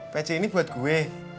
pece ini buat gue